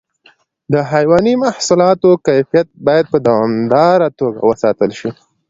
د حیواني محصولاتو کیفیت باید په دوامداره توګه وساتل شي.